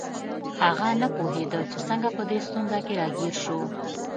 هغه نه پوهیده چې څنګه په دې ستونزه کې راګیر شو